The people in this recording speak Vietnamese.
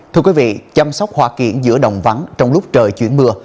thưa quý vị chăm sóc hòa kiện giữa đồng vắng trong lúc trời chuyển mưa